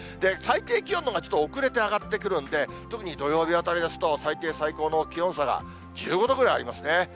最低気温のがちょっと遅れて上がってくるんで、特に土曜日あたりが最低、最高の気温差が１５度ぐらいありますね。